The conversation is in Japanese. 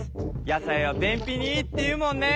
野菜は便ぴにいいっていうもんね。